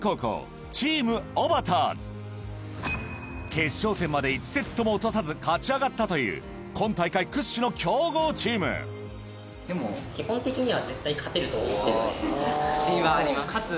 決勝戦まで１セットも落とさず勝ち上がったという今大会屈指の強豪チーム自分は。